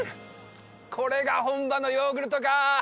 これが本場のヨーグルトか！